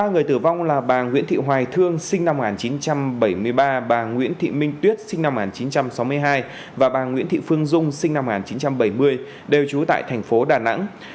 ba người tử vong là bà nguyễn thị hoài thương sinh năm một nghìn chín trăm bảy mươi ba bà nguyễn thị minh tuyết sinh năm một nghìn chín trăm sáu mươi hai và bà nguyễn thị phương dung sinh năm một nghìn chín trăm bảy mươi đều trú tại thành phố đà nẵng